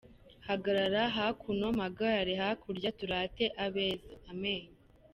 Hagarara hakuno, mpagarare hakurya turate abeza:Amenyo.